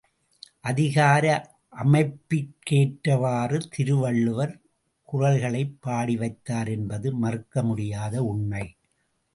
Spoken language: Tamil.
அதிகார அமைப்பிற்கேற்றவாறு திருவள்ளுவர் குறள்களைப் பாடிவைத்தார் என்பது மறுக்க முடியாத உண்மை.